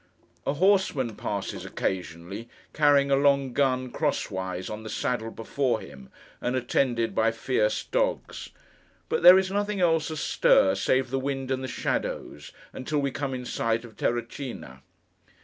A horseman passes occasionally, carrying a long gun cross wise on the saddle before him, and attended by fierce dogs; but there is nothing else astir save the wind and the shadows, until we come in sight of Terracina.